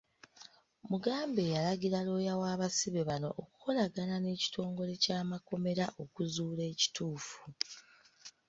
Mugambe yalagira looya w’abasibe bano okukolagana n’ekitongole ky’amakomera okuzuula ekituufu.